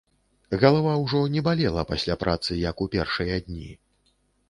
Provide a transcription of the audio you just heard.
Галава ўжо не балела пасля працы, як у першыя дні.